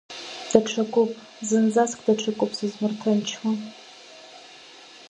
Даҽакуп, зынӡаск даҽакуп сызмырҭынчуа…